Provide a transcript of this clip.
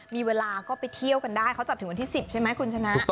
มีเวลาก็ไปเที่ยวกันได้เขาจัดถึงวันที่๑๐ใช่ไหมคุณชนะ